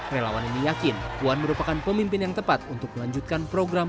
relawan ini yakin puan merupakan pemimpin yang tepat untuk melanjutkan program